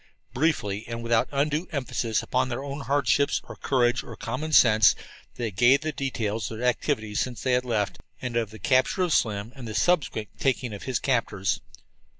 Briefly, and without undue emphasis upon their own hardships or courage or common sense, they gave the details of their activities since they had left, and of the capture of Slim and the subsequent taking of his captors.